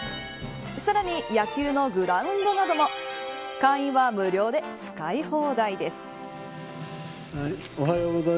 さらに野球のグラウンドなども会員は無料で使い放題です。